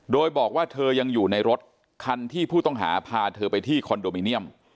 โดยบอกว่าเธอยังอยู่ในรถคันที่ผู้ต้องหาพาเธอไปที่คอนโดมิเนียม